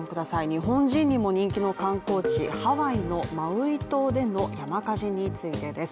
日本人にも人気の観光地、ハワイのマウイ島での山火事についてです。